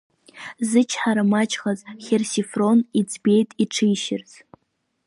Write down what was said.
Зычҳара маҷхаз Херсифрон иӡбеит иҽишьырц.